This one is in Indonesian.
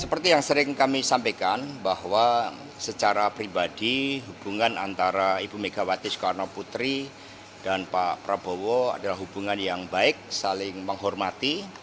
seperti yang sering kami sampaikan bahwa secara pribadi hubungan antara ibu megawati soekarno putri dan pak prabowo adalah hubungan yang baik saling menghormati